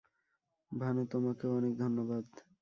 ভানু, তোমাকেও, অনেক ধন্যবাদ।